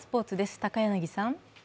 高柳さん。